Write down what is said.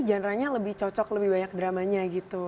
genre nya lebih cocok lebih banyak drama nya gitu